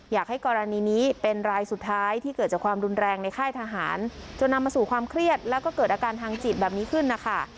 อยากให้กรณีนี้เป็นรายสุดท้ายที่เกิดจากความรุนแรงในค่ายทหารจนนำมาสู่ความเครียดแล้วก็เกิดอาการทางจิตแบบนี้ขึ้นนะคะ